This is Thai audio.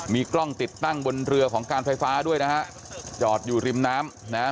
มีกล้องติดตั้งบนเรือของการไฟฟ้าด้วยนะฮะจอดอยู่ริมน้ำนะฮะ